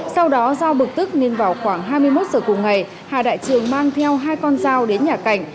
sau đó do bực tức nên vào khoảng hai mươi một giờ cùng ngày hà đại trường mang theo hai con dao đến nhà cảnh